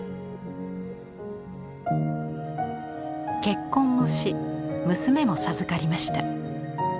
結婚もし娘も授かりました。